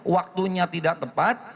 waktunya tidak tepat